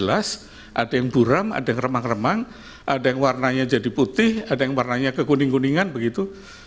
ada yang buram ada yang remang remang ada yang warnanya jadi putih ada yang warnanya kekuning kuningan begitu